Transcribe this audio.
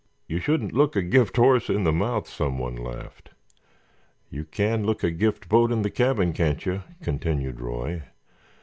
"You shouldn't look a gift horse in the mouth," someone laughed. "You can look a gift boat in the cabin, can't you," continued Roy.